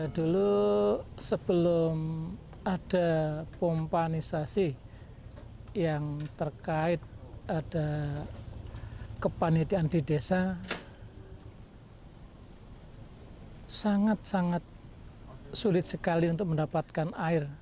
dulu sebelum ada pompanisasi yang terkait ada kepanitiaan di desa sangat sangat sulit sekali untuk mendapatkan air